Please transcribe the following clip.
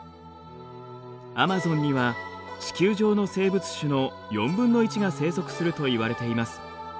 アマゾンには地球上の生物種の４分の１が生息するといわれています。